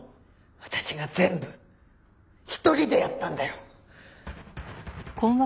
私が全部一人でやったんだよ。